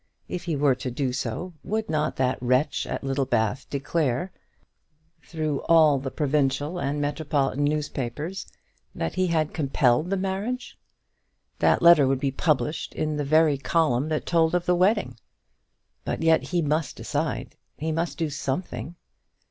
If he were to do so, would not that wretch at Littlebath declare, through all the provincial and metropolitan newspapers, that he had compelled the marriage? That letter would be published in the very column that told of the wedding. But yet he must decide. He must do something.